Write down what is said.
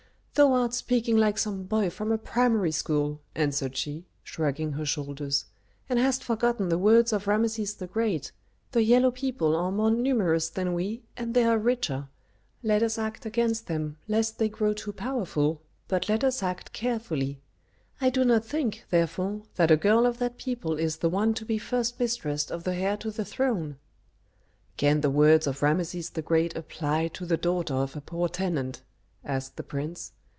"Thou art speaking like some boy from a primary school," answered she, shrugging her shoulders, "and hast forgotten the words of Rameses the Great: 'The yellow people are more numerous than we and they are richer; let us act against them, lest they grow too powerful, but let us act carefully.' I do not think, therefore, that a girl of that people is the one to be first mistress of the heir to the throne." "Can the words of Rameses the Great apply to the daughter of a poor tenant?" asked the prince.